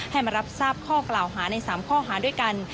มารับทราบข้อกล่าวหาใน๓ข้อหาด้วยกัน